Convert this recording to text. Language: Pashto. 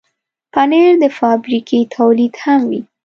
پنېر د فابریکې تولید هم وي.